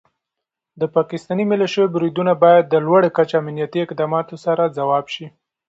د پاکستاني ملیشو بریدونه باید د لوړ کچې امنیتي اقداماتو سره ځواب شي.